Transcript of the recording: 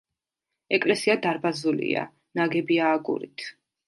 ეკლესია დარბაზულია, ნაგებია აგურით.